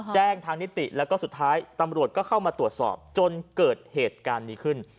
แจ้งทางนิติแล้วก็สุดท้ายตำรวจก็เข้ามาตรวจสอบจนเกิดเหตุการณ์นี้ขึ้น